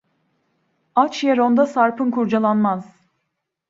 Aç yar onda sarpın kurcalanmaz.